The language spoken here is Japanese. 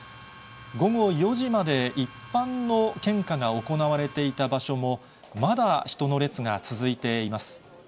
午後４時まで一般の献花が行われていた場所も、まだ人の列が続いています。